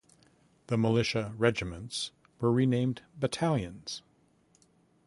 The militia "regiments" were renamed "battalions".